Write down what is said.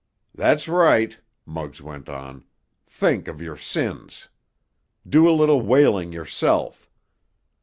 "That's right!" Muggs went on. "Think of your sins! Do a little wailing yourself!